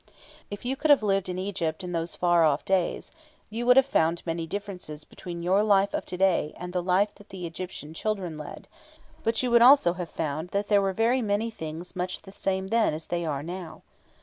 If you could have lived in Egypt in those far off days, you would have found many differences between your life of to day and the life that the Egyptian children led; but you would also have found that there were very many things much the same then as they are now.